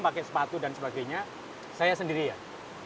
pakai sepatu dan sebagainya saya sendirian